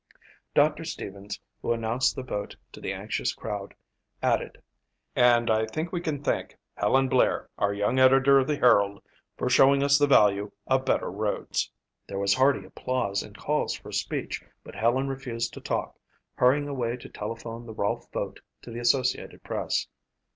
Doctor Stevens, who announced the vote to the anxious crowd, added, "And I think we can thank Helen Blair, our young editor of the Herald, for showing us the value of better roads." There was hearty applause and calls for speech, but Helen refused to talk, hurrying away to telephone the Rolfe vote to the Associated Press.